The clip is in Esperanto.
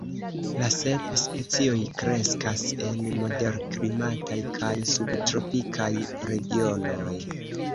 La sep specioj kreskas en moderklimataj kaj subtropikaj regionoj.